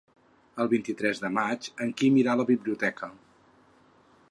El vint-i-tres de maig en Quim irà a la biblioteca.